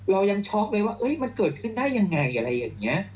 เรายังช็อกเลยว่ามันเกิดขึ้นได้ยังไงอะไรอย่างนี้